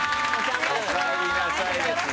おかえりなさいですね。